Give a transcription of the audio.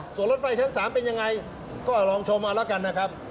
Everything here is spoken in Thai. ส่วนรถไฟชั้น๓เป็นยังไงก็ลองชมเอาละกันนะครับ